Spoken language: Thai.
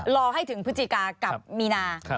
รอให้ถึงพฤศจิกากับมีนา